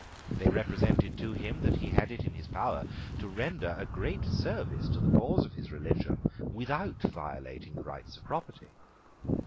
They represented to him that he had it in his power to render a great service to the cause of his religion without violating the rights of property.